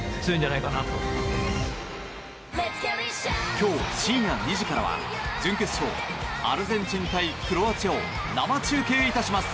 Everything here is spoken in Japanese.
今日深夜２時からは準決勝アルゼンチン対クロアチアを生中継いたします！